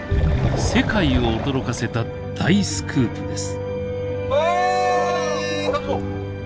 世界を驚かせた大スクープです。